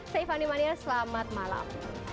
saya fanny mania selamat malam